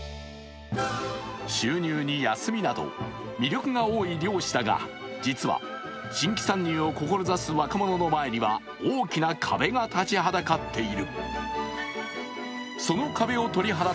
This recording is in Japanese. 収入に休みなど、魅力が多い漁師だが、実は新規参入を志す若者の前には大きな壁が立ちはだかっている。